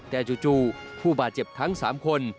แต่จู่ผู้บาดเจ็บทั้ง๓คน